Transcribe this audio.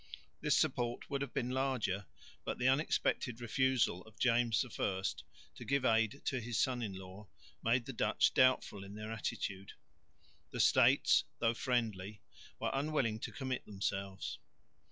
This support would have been larger, but the unexpected refusal of James I to give aid to his son in law made the Dutch doubtful in their attitude. The States, though friendly, were unwilling to commit themselves.